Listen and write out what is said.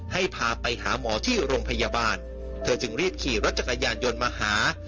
ให้พาไปหาหมอที่โรงพยาบาลเธอจึงรีบขี่รถจักรยานยนต์มาหา